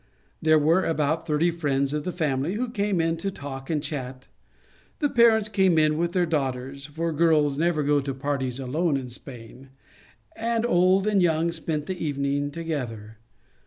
There were about thirty friends of the family who came in to talk and chat. The parents came with their daughters, for girls never go to parties alone in Spain, and old and young spent the evening together.